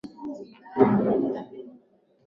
Ungejifunza ukimya, haunanga hasara